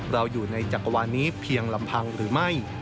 เราอยู่ในจักรวาลนี้เพียงลำพังหรือไม่